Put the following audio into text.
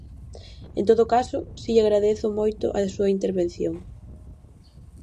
En todo caso, si lle agradezo moito a súa intervención.